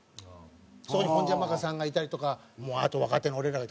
そこにホンジャマカさんがいたりとかあと若手の俺らが。